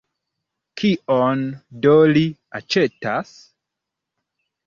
Kion do li aĉetas?